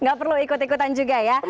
nggak perlu ikut ikutan juga ya